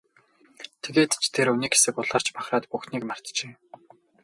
Тэгээд ч тэр үү, нэг хэсэг улайрч махраад бүхнийг мартжээ.